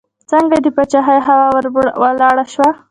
ځکه یې د پاچهۍ هوا ور ولاړه شوه.